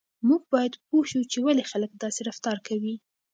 موږ باید پوه شو چې ولې خلک داسې رفتار کوي.